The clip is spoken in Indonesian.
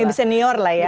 lebih senior lah ya